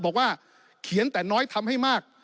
บอกว่าเขียนแต่น้อยทำให้มาก